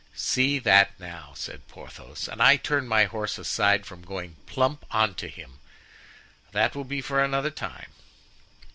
"See that, now!" said Porthos; "and I turned my horse aside from going plump on to him! That will be for another time."